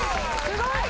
すごい！